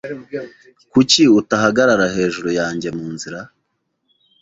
Kuki utahagarara hejuru yanjye munzira?